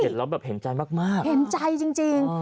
เห็นแล้วแบบเห็นใจมากเห็นใจจริง